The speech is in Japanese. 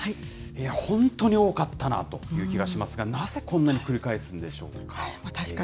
本当に多かったなという気がしますが、なぜこんなに繰り返すんでしょうか。